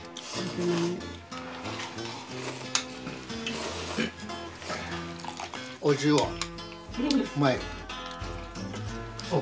うまい。